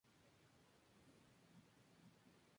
Fue el último emperador Ming que reinó en Beijing.